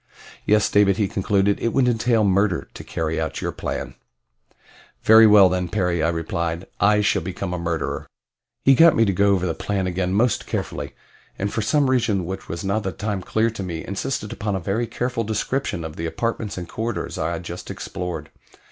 "Yes, David," he concluded, "it would entail murder to carry out your plan." "Very well then, Perry." I replied. "I shall become a murderer." He got me to go over the plan again most carefully, and for some reason which was not at the time clear to me insisted upon a very careful description of the apartments and corridors I had just explored.